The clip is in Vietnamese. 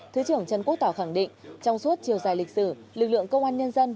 thứ trưởng trần quốc tỏ khẳng định trong suốt chiều dài lịch sử lực lượng công an nhân dân